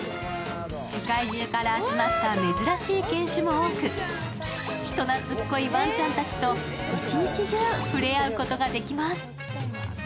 世界中から集まった珍しい犬種も多く人懐こいワンちゃんたちと一日中触れ合うことができます。